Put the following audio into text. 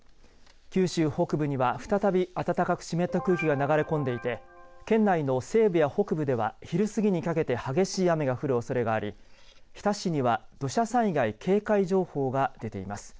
九州北部には再び暖かく湿った空気が流れ込んでいて県内の西部や北部では昼過ぎにかけて激しい雨が降るおそれがあり日田市には土砂災害警戒情報が出ています。